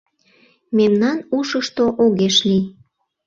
Мемнан ушышто огеш лий.